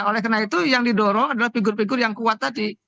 oleh karena itu yang didorong adalah figur figur yang kuat tadi